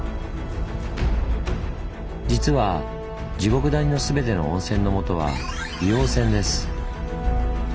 実は地獄谷の全ての温泉のもとは「硫黄泉」です。